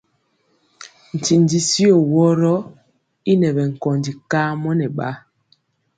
Ntindi tyio woro y ŋɛ bɛ nkóndi kamɔ nɛ ba.